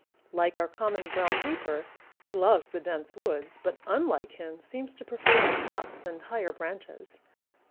Like our common brown creeper, he loves the dense woods, but unlike him seems to prefer the tops and higher branches.